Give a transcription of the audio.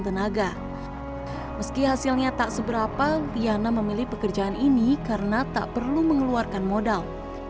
tenaga meski hasilnya tak seberapa tiana memilih pekerjaan ini karena tak perlu mengeluarkan modal